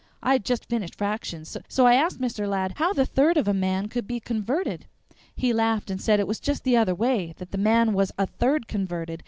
I had just finished fractions, so I asked Mr. Ladd how the third of a man could be converted. He laughed and said it was just the other way; that the man was a third converted.